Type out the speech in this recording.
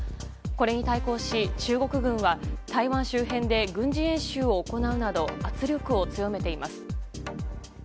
これに対抗し、中国軍は台湾周辺で軍事演習を行うなど圧力を強めています。